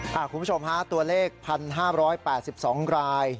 คุณผู้ชมฮะตัวเลข๑๕๘๒ราย